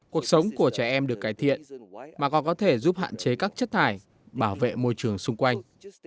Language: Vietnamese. cuộc sống của trẻ em được cải thiện mà còn có thể giúp hạn chế các chất thải bảo vệ môi trường xung quanh